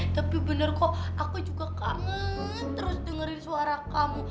tapi bener kok aku juga kangen terus dengerin suara kamu